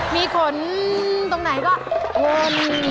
มีขนตรงไหนก็อม